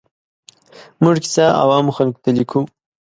موږ کیسه عوامو خلکو ته لیکو.